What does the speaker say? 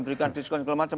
berikan diskon segala macam